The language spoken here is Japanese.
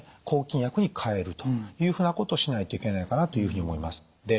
抗菌薬に替えるというふうなことをしないといけないかなというふうに思います。